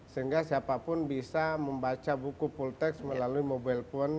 sehingga siapa pun bisa membaca buku full text melalui mobile phone